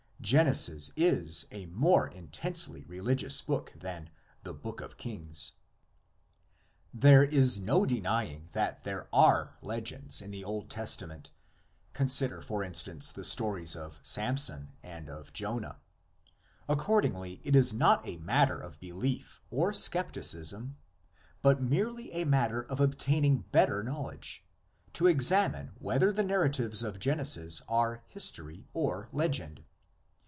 Genesis is a more intensely religious book than the Book of Kings. There is no denying that there are legends in the Old Testament; consider for instance the stories of Samson and of Jonah. Accordingly it is not a matter of belief or skepticism, but merely a matter of obtaining better knowledge, to examine whether the narratives of Genesis are history or legend.